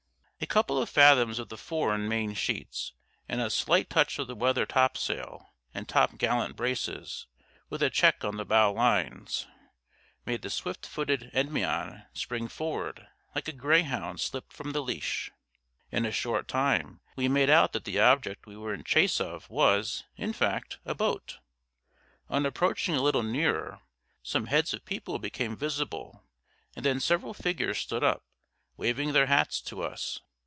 A couple of fathoms of the fore and main sheets, and a slight touch of the weather topsail and top gallant braces, with a check on the bow lines, made the swift footed Endymion spring forward, like a greyhound slipped from the leash. In a short time we made out that the object we were in chase of was, in fact, a boat. On approaching a little nearer, some heads of people became visible, and then several figures stood up, waving their hats to us.